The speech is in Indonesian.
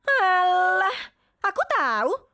alah aku tau